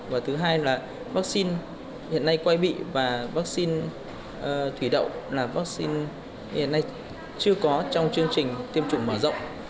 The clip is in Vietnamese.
và thứ hai là vaccine hiện nay quay bị và vaccine thủy đậu là vaccine hiện nay chưa có trong chương trình tiêm chủng mở rộng